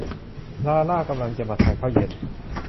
ลาร่ากำลังจะมาทานข้าวเย็น